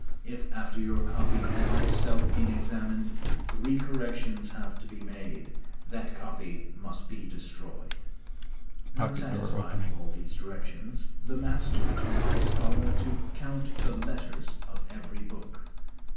If, after your copy has itself been examined, three corrections have to be made, that copy must be destroyed.' Not satisfied with all these directions, the master taught his scholar to count the letters of every Book.